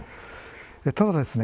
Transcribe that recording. ただですね